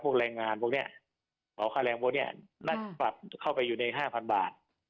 พวกแรงงานพวกเนี้ยของข้าแรงพวกเนี้ยค่ะน่าจะปัดเข้าไปอยู่ในห้าพันบาท